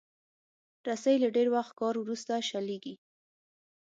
رسۍ له ډېر وخت کار وروسته شلېږي.